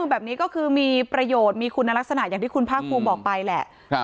แบบนี้ก็คือมีประโยชน์มีคุณลักษณะอย่างที่คุณภาคภูมิบอกไปแหละ